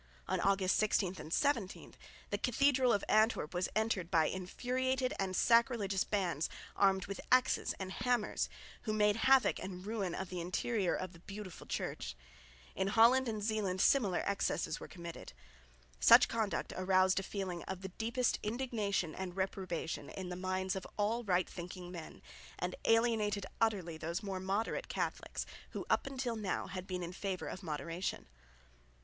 On August 16 and 17 the cathedral of Antwerp was entered by infuriated and sacrilegious bands armed with axes and hammers, who made havoc and ruin of the interior of the beautiful church. In Holland and Zeeland similar excesses were committed. Such conduct aroused a feeling of the deepest indignation and reprobation in the minds of all right thinking men, and alienated utterly those more moderate Catholics who up till now had been in favour of moderation.